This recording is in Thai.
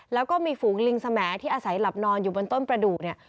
แล้วก็มีฝูงลิงสมที่อาศัยหลับนอนอยู่บนต้นประดูกเนี่ย